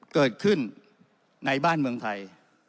เกิดขึ้นในบ้านเมืองไทย